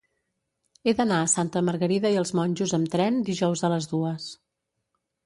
He d'anar a Santa Margarida i els Monjos amb tren dijous a les dues.